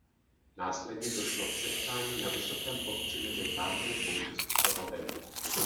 Následně došlo k setkání na vysokém kopci mezi tábory pouze s doprovodem.